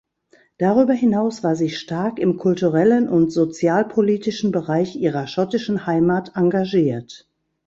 Darüber hinaus war sie stark im kulturellen und sozialpolitischen Bereich ihrer schottischen Heimat engagiert.